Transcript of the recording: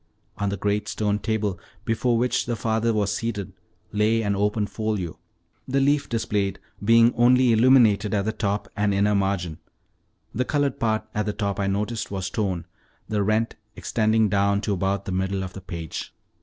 On the great stone table, before which the father was seated, lay an open folio, the leaf displayed being only illuminated at the top and inner margin; the colored part at the top I noticed was torn, the rent extending down to about the middle of the page.